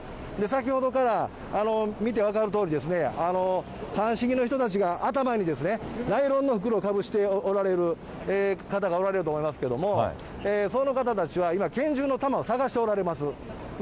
先ほどから見て分かるとおり、鑑識の人たちが頭にナイロンの袋をかぶしておられる、方がおられると思いますけれども、その方たちは今、拳銃の弾を捜しておられます。